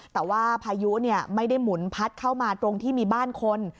แต่ว่าพายุไม่ได้หมุนพัดเข้ามาตรงที่มีบ้านคน